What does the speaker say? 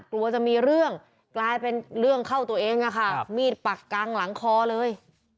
กลัวจะมีเรื่องกลายเป็นเรื่องเข้าตัวเองอะค่ะมีดปักกลางหลังคอเลย